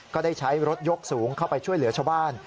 ก็ได้ใช้รถยกสูงเข้าไปช่วยเหลือชาวบ้าน